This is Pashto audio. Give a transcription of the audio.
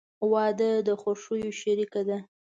• واده د خوښیو شریکه ده.